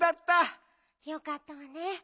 よかったわね。